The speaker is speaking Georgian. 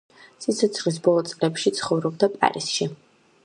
სიცოცხლის ბოლო წლებში ცხოვრობდა პარიზში.